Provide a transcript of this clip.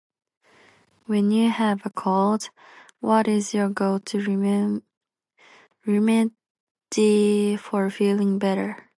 When you have a cold, what is your go-to remem- remedy for feeling better?